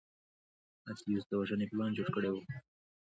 اتیوس د وژنې پلان جوړ کړی و.